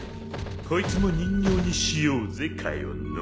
こいつも人形にしようぜカヨノ。